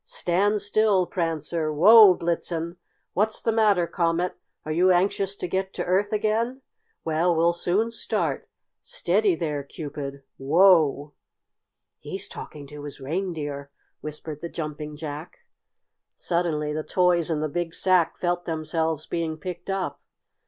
Stand still, Prancer! Whoa, Blitzen! What's the matter, Comet? Are you anxious to get to Earth again? Well, we'll soon start. Steady there, Cupid! Whoa!" "He's talking to his reindeer," whispered the Jumping Jack. Suddenly the toys in the big sack felt themselves being picked up.